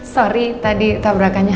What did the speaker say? sorry tadi tabrakannya